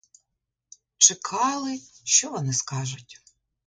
Чекали, що вони скажуть.